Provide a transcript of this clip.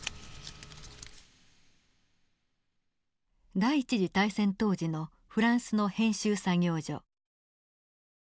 第一次大戦当時のフランスの編集作業所。